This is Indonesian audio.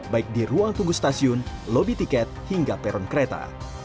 baik di ruang tunggu stasiun lobby tiket hingga peron kereta